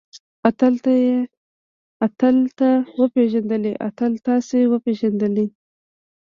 اتل تۀ وپېژندلې؟ اتل تاسې وپېژندلئ؟